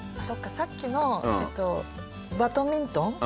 さっきのバドミントン？